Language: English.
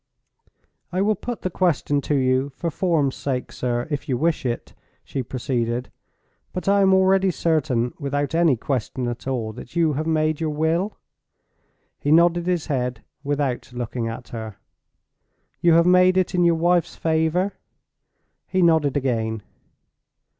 "I will put the question to you for form's sake, sir, if you wish it," she proceeded. "But I am already certain, without any question at all, that you have made your will?" He nodded his head without looking at her. "You have made it in your wife's favor?" He nodded again.